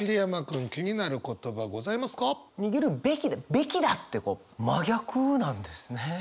「べきだ」ってこう真逆なんですね。